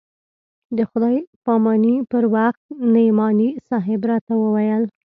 د خداى پاماني پر وخت نعماني صاحب راته وويل.